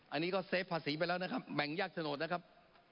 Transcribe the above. อันนี้ก็เซฟภาษีไปแล้วนะครับแบ่งยากโฉนดนะครับ